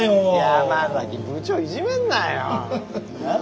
山崎部長をいじめんなよ。